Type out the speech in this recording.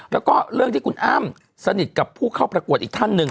แล้วก็เรื่องที่คุณอ้ำสนิทกับผู้เข้าประกวดอีกท่านหนึ่ง